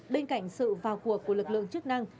bên cạnh sự vào cuộc của lực lượng chức năng